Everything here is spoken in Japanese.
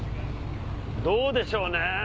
どうでしょうね？